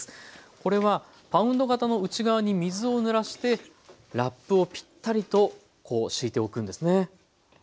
これはパウンド型の内側に水をぬらしてラップをピッタリと敷いておくんですね。